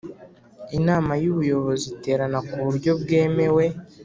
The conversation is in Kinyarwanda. Inama y ubuyobozi iterana ku buryo bwemewe